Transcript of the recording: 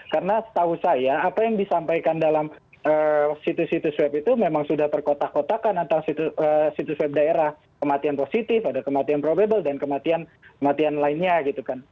karena setahu saya apa yang disampaikan dalam situs situs web itu memang sudah terkotak kotakan antara situs web daerah kematian positif ada kematian probable dan kematian lainnya gitu kan